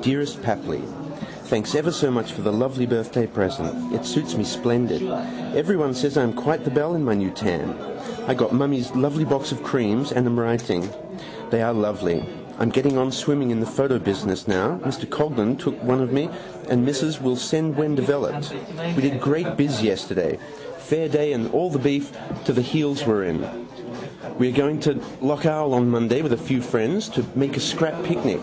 Dearest Papli Thanks ever so much for the lovely birthday present. It suits me splendid. Everyone says I am quite the belle in my new tam. I got mummy's lovely box of creams and am writing. They are lovely. I am getting on swimming in the photo business now. Mr Coghlan took one of me and Mrs. Will send when developed. We did great biz yesterday. Fair day and all the beef to the heels were in. We are going to lough Owel on Monday with a few friends to make a scrap picnic.